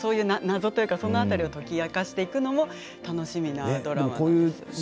謎というか、その辺りを解き明かしていくのも楽しみなドラマです。